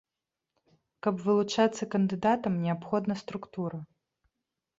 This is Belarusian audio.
Каб вылучацца кандыдатам, неабходная структура.